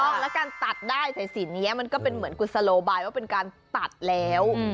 ต้องแล้วการตัดได้สายสินนี้มันก็เป็นเหมือนกุศโลบายว่าเป็นการตัดแล้ว